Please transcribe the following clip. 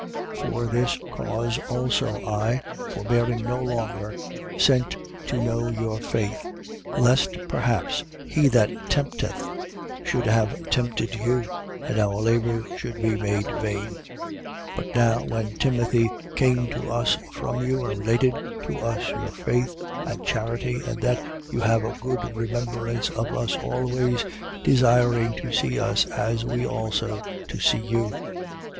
3:5. For this cause also, I, forbearing no longer, sent to know your faith: lest perhaps he that tempteth should have tempted you: and our labour should be made vain. 3:6. But now when Timothy came to us from you and related to us your faith and charity, and that you have a good remembrance of us always, desiring to see us as we also to see you: 3:7.